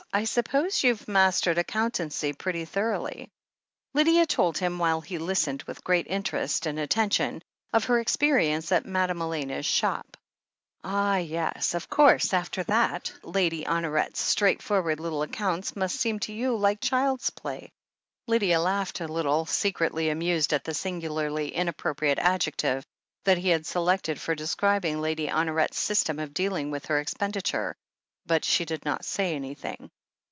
I suppose you've mastered accountancy pretty thoroughly?" Lydia told him, while he listened with great interest THE HEEL OF ACHILLES 297 and attention, of her experience at Madame Elena's shop. "Ah, yes I Of course, after that Lady Honoret's straightforward little accounts must seem to you like child's play!" Lydia laughed a little, secretly amused at the singu larly inappropriate adjective that he had selected for describing Lady Honoret's system of dealing with her expenditure, but she did not say anything.